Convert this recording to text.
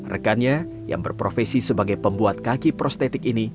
rekannya yang berprofesi sebagai pembuat kaki prostetik ini